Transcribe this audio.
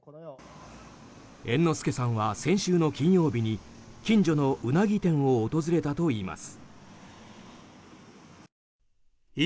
猿之助さんは先週の金曜日に近所のウナギ店を訪れたといいます。